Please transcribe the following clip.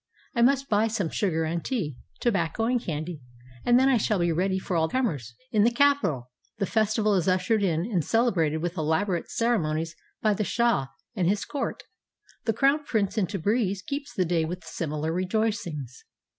I must buy some sugar and tea, tobacco and candy, and then I shall be ready for all comers." In the capital the festival is ushered in and celebrated with elaborate ceremonies by the shah and his court. The crown prince in Tabriz keeps the day wdth similar rejoicings.